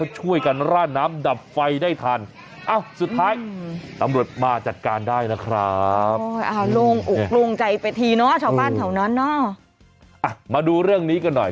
ชาวบ้านเท่านั้นเนอะอ่ะมาดูเรื่องนี้กันหน่อย